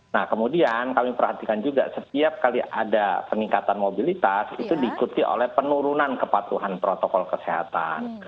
nah kemudian kami perhatikan juga setiap kali ada peningkatan mobilitas itu diikuti oleh penurunan kepatuhan protokol kesehatan